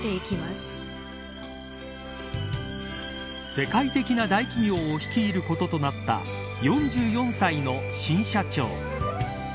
世界的な大企業を率いることとなった４４歳の新社長。